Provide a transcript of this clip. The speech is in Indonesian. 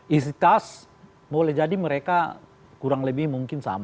isi tas boleh jadi mereka kurang lebih mungkin sama